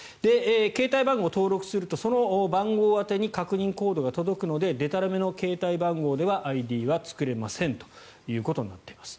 携帯番号を登録するとその番号宛てに確認コードが届くのででたらめな携帯電話ではＩＤは作れませんということになっています。